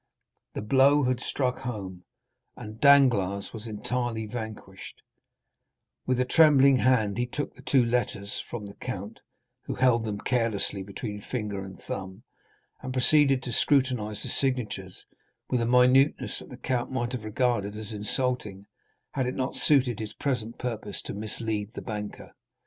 The blow had struck home, and Danglars was entirely vanquished; with a trembling hand he took the two letters from the count, who held them carelessly between finger and thumb, and proceeded to scrutinize the signatures, with a minuteness that the count might have regarded as insulting, had it not suited his present purpose to mislead the banker.